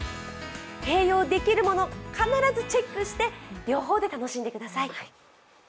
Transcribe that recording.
併用できるもの、必ずチェックして両方で楽しんでください。